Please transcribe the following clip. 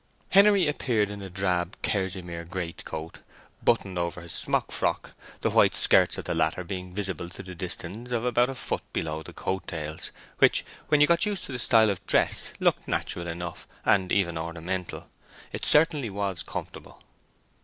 Henery appeared in a drab kerseymere great coat, buttoned over his smock frock, the white skirts of the latter being visible to the distance of about a foot below the coat tails, which, when you got used to the style of dress, looked natural enough, and even ornamental—it certainly was comfortable.